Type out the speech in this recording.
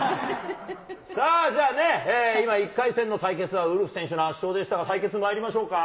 さあ、じゃあね、今、１回戦の対決はウルフ選手の圧勝でしたが、対決まいりましょうか。